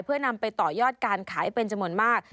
เพื่อนำไปต่อยอดการขายเป็นจำนวนมาก